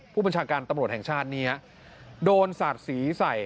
ผู้บัญชาการตำรวจแห่งชาตินี่ฮะโดนสาดสีใส่